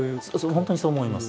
本当にそう思います。